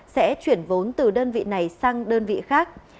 sẽ chuyển vốn từ đơn vị này sang đơn vị khác